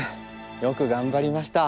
よく頑張りました。